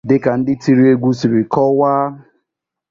dịka ndị tiri egwu siri kọwaa.